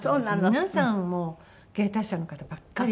皆さんもう芸達者な方ばっかりで。